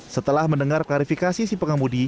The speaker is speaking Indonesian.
setelah mendengar klarifikasi si pengemudi